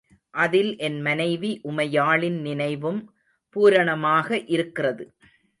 அதில் என் மனைவி உமையாளின் நினைவும் பூரணமாக இருக்கிறது.